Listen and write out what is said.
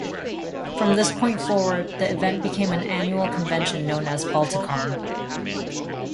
From this point forward, the event became an annual convention known as Balticon.